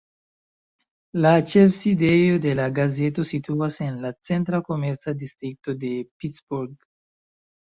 La ĉefsidejo de la gazeto situas en la centra komerca distrikto de Pittsburgh.